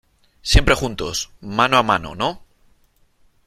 siempre juntos , mano a mano ,¿ no ?